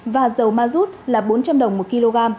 và dầu mazut là bốn trăm linh đồng một kg